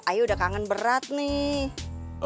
ayu udah kangen berat nih